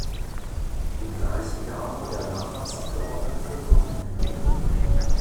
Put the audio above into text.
Im gleichen Jahr wurde er Landtagsabgeordneter für Tuttlingen.